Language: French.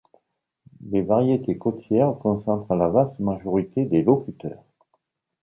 Les variétés côtières concentrent la vaste majorité des locuteurs.